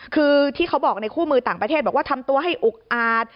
คือที่เขาบอกในคู่มือต่างประเทศบอกว่าทำตัวให้อุกอาจ